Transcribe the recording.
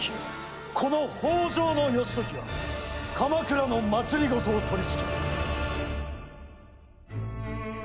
この北条義時が鎌倉の政を取りしきる。